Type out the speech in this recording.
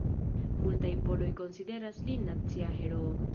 Multaj poloj konsideras lin nacia heroo.